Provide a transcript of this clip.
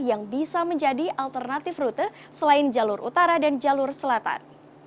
yang bisa menjadi alternatif rute selain jalur utara dan jalur selatan